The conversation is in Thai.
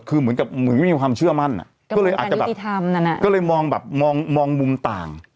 คือเหมือนกับเหมือนไม่มีความเชื่อมั่นอ่ะก็เลยอาจจะแบบก็เลยมองแบบมองมองมุมต่าง